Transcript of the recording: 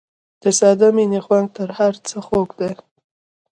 د ساده مینې خوند تر هر څه خوږ دی.